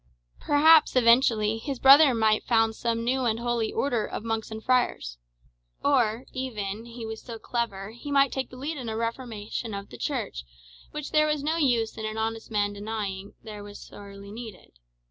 Perhaps, eventually, his brother might found some new and holy order of monks and friars. Or even (he was so clever) he might take the lead in a Reformation of the Church, which, there was no use in an honest man's denying, was sorely needed.